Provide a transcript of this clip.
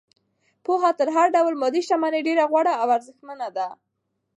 پوهه تر هر ډول مادي شتمنۍ ډېره غوره او ارزښتمنه ده.